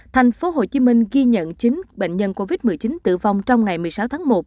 tp hcm ghi nhận chín bệnh nhân covid một mươi chín tử vong trong ngày một mươi sáu tháng một